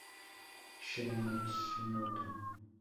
Sho Matsumoto